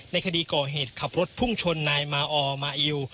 ในคดีก่อเหตุขับรถพุ่งชนนายมาออร์มาอิว